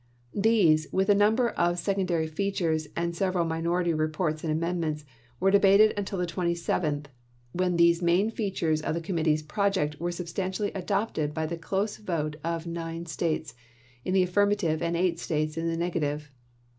These, with a number of second p «• ary features and several minority reports and amendments, were debated until the 27th, when these main features of the committee's project were substantially adopted by the close vote of nine States in the affirmative and eight States in the negative.